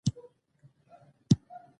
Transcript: تورات په عبراني ژبه دئ.